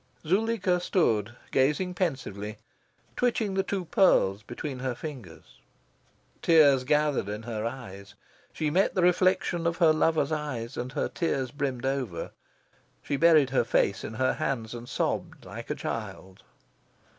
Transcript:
Zuleika stood gazing pensively, twitching the two pearls between her fingers. Tears gathered in her eyes. She met the reflection of her lover's eyes, and her tears brimmed over. She buried her face in her hands, and sobbed like a child.